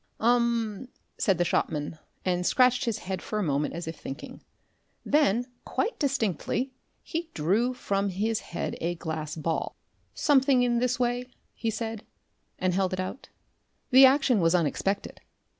"Um!" said the shopman, and scratched his head for a moment as if thinking. Then, quite distinctly, he drew from his head a glass ball. "Something in this way?" he said, and held it out. The action was unexpected.